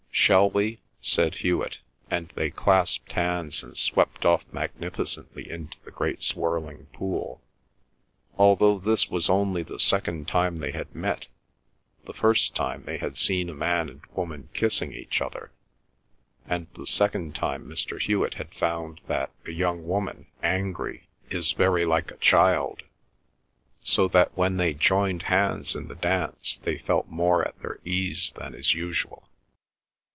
"Shall we?" said Hewet, and they clasped hands and swept off magnificently into the great swirling pool. Although this was only the second time they had met, the first time they had seen a man and woman kissing each other, and the second time Mr. Hewet had found that a young woman angry is very like a child. So that when they joined hands in the dance they felt more at their ease than is usual.